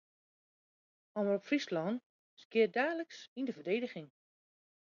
Omrop Fryslân skeat daliks yn de ferdigening.